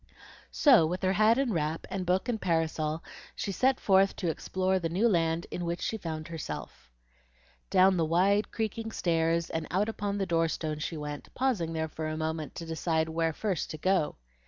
So, with her hat and wrap, and book and parasol, she set forth to explore the new land in which she found herself. Down the wide, creaking stairs and out upon the door stone she went, pausing there for a moment to decide where first to go.